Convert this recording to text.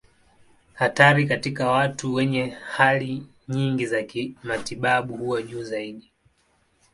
Hatari katika watu wenye hali nyingi za kimatibabu huwa juu zaidi.